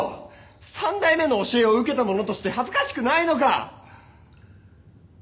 三代目の教えを受けたものとして恥ずかしくないのか！？